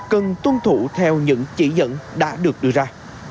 cần tuân thủ theo những chỉ dẫn đã được đưa ra